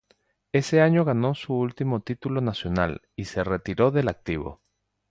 Ese año ganó su último título nacional y se retiró del activo.